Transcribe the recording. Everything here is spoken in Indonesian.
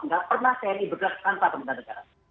nggak pernah tni bergerak tanpa pemerintah negara